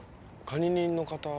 管理人の方。